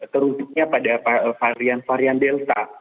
terujudnya pada varian varian delta